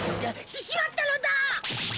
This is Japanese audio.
ししまったのだ！